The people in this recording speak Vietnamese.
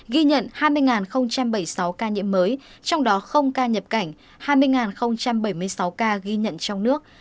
ghi nhận hai mươi bảy mươi sáu ca nhiễm mới trong đó ca nhập cảnh hai mươi bảy mươi sáu ca ghi nhận trong nước